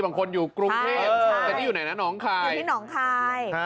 บางคนอยู่กรุงเทพนี่อยู่ไหนนะน้องคาย